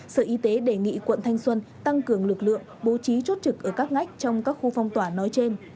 sở y tế đề nghị quận thanh xuân tăng cường lực lượng bố trí chốt trực ở các ngách trong các khu phong tỏa nói trên